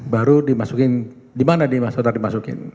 baru dimasukin dimana di masukan dimasukin